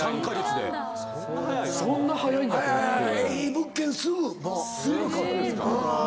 いい物件すぐもう。